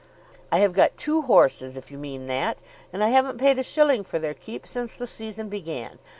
"I have got two horses, if you mean that; and I haven't paid a shilling for their keep since the season began.